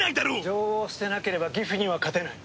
情を捨てなければギフには勝てない。